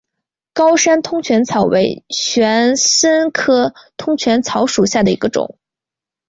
高山通泉草为玄参科通泉草属下的一个种。